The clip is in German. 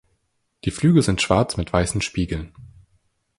Die Flügel sind schwarz mit weißen Spiegeln.